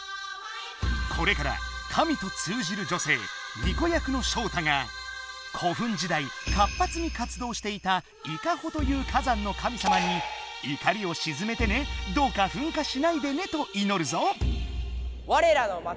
これから神と通じる女性巫女役のショウタが古墳時代活ぱつに活どうしていたイカホという火山の神様に「いかりをしずめてね。どうかふん火しないでね」といのるぞ。